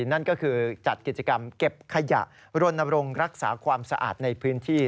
นั่นก็คือจัดกิจกรรมเก็บขยะรณรงค์รักษาความสะอาดในพื้นที่